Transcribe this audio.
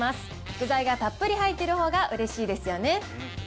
具材がたっぷり入っているほうがうれしいですよね。